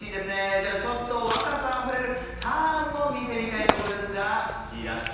じゃあちょっと若さあふれるターンも見てみたいところですがじらすか？